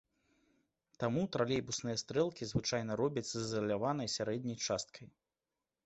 Таму тралейбусныя стрэлкі звычайна робяць з ізаляванай сярэдняй часткай.